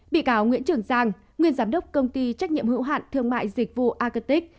bị cáo nguyễn trường giang nguyên giám đốc công ty trách nhiệm hữu hạn thương mại dịch vụ actic